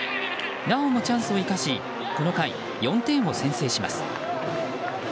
なおもチャンスを生かしこの回、４点を先制します。